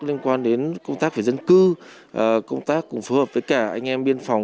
liên quan đến công tác về dân cư công tác cùng phối hợp với cả anh em biên phòng